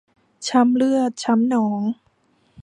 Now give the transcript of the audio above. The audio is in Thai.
ช้ำเลือดช้ำหนอง